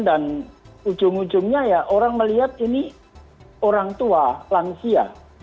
ujung ujungnya ya orang melihat ini orang tua lansia